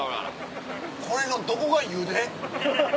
これのどこがゆで？